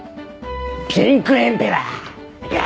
ピンクエンペラー！